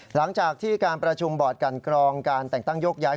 หลังจากที่การประชุมบอร์ดกันกรองการแต่งตั้งโยกย้าย